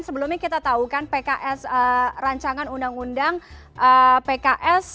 sebelumnya kita tahu kan pks rancangan undang undang pks